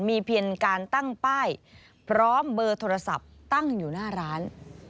มีเพียงการตั้งป้ายพร้อมเบอร์โทรศัพท์ตั้งอยู่หน้าร้าน